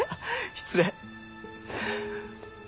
失礼。